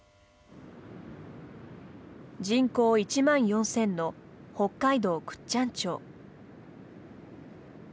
人口１万４０００の北海道倶知安町。